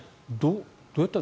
どうやったら。